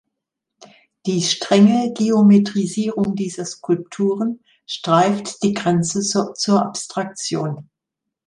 Die strenge Geometrisierung dieser Skulpturen streift die Grenze zur Abstraktion.